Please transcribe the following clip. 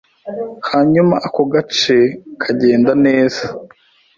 Hanyuma ako gace kagenda neza